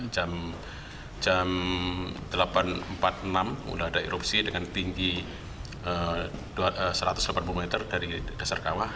jam delapan empat puluh enam sudah ada erupsi dengan tinggi satu ratus delapan puluh meter dari dasar kawah